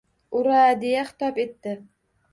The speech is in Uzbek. — Ura-a-a! — deya xitob etdi.